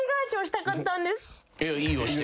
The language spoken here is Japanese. いいよして。